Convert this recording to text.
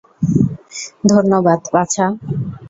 ধন্যবাদ, বাছা।